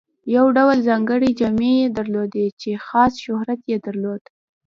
یو ډول ځانګړې جامې یې درلودې چې خاص شهرت یې درلود.